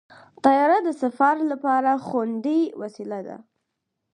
طیاره د سفر لپاره خوندي وسیله ده.